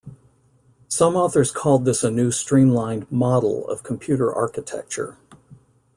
Some authors called this a new streamlined "model" of computer architecture.